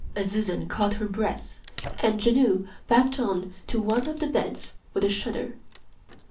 Azizun caught her breath, and Janoo backed on to one of the beds with a shudder.